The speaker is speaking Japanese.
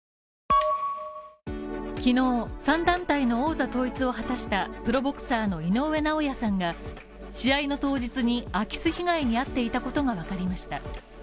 昨日、３団体の王座統一を果たしたプロボクサーの井上尚弥さんが、試合の当日に空き巣被害に遭っていたことがわかりました。